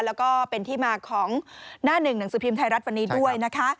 แล้วก็เป็นที่มาของหน้าหนึ่งหนังสือพิมพ์ไทยรัฐวันนี้ด้วยนะคะ